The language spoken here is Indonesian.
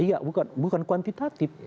iya bukan kuantitatif